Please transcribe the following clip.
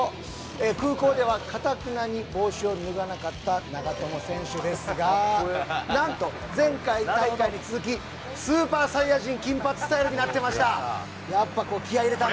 空港ではかたくなに帽子を脱がなかった長友選手ですが何と、前回大会に続きスーパーサイヤ人金髪スタイルになってました！